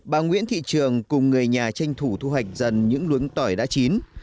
bà nguyễn thị trường cùng người nhà tranh thủ thu hoạch dần những luống tỏi đã chín